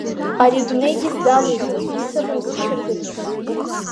Ари адунеигьы исзалоузеи, исымоузеи цәыргатәыс…